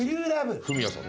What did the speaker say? フミヤさんが？